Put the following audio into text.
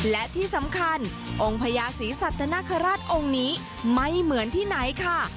และที่สำคัญองค์พญาศรีสัตนคราชองค์นี้ไม่เหมือนที่ไหนค่ะ